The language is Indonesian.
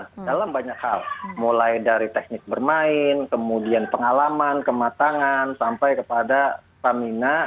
dalam banyak hal mulai dari teknik bermain kemudian pengalaman kematangan sampai kepada stamina